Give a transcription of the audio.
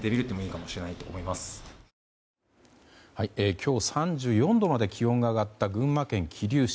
今日、３４度まで気温が上がった群馬県桐生市。